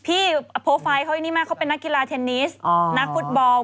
พี่โปรไฟล์เขาอันนี้มากเขาเป็นนักกีฬาเทนนิสนักฟุตบอล